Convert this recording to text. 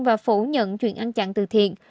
và phủ nhận chuyện ăn chặn tự thiện